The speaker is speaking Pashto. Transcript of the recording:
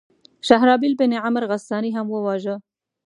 شهرابیل بن عمرو غساني هغه وواژه.